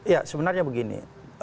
ya sebenarnya begini